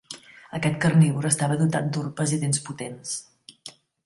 Aquest carnívor estava dotat d'urpes i dents potents.